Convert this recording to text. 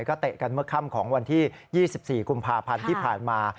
ก็เตะกันเมื่อค่ำของวันที่๒๔กุมภาพันธ์ที่ผ่านมา